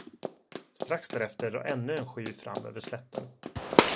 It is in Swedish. Strax därefter drar ännu en sky fram över slätten.